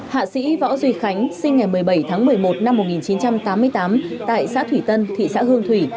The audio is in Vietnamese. hạ sĩ võ duy khánh sinh ngày một mươi bảy tháng một mươi một năm một nghìn chín trăm tám mươi tám tại xã thủy tân thị xã hương thủy